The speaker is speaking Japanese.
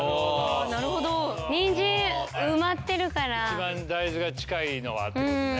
一番大豆が近いのはってことね。